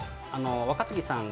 若槻さんが。